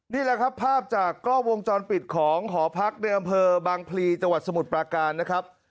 นี่แหละครับภาพจากกล้องวงจรปิดของหอพักในอำเภอบางพลีจังหวัดสมุทรปราการนะครับ